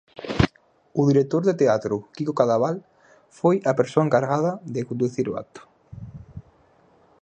O director de teatro Quico Cadaval foi a persoa encargada de conducir o acto.